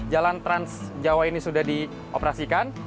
jalan trans jawa ini sudah dioperasikan